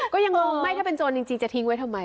ก็ยังงงไม่ถ้าเป็นโจรจริงจะทิ้งไว้ทำไม